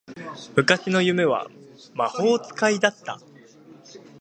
昔の夢は魔法使いだった